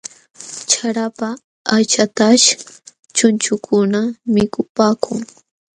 Charapa aychataśh chunchukuna mikupaakun.